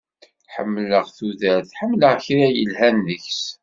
Ḥemmleɣ tudert, ḥemmleɣ kra yelhan deg-s.